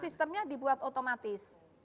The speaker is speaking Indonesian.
sistemnya dibuat otomatis